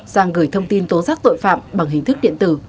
sang gửi thông tin tố giác tội phạm bằng hình thức điện tử